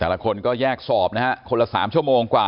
แต่ละคนก็แยกสอบนะฮะคนละ๓ชั่วโมงกว่า